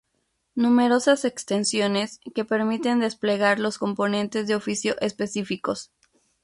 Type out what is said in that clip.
Numerosas extensiones que permiten desplegar los componentes de oficio específicos.